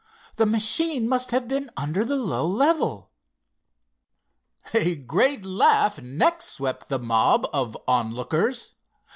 "The machine must have been under the low level." A great laugh next swept the mob of onlookers.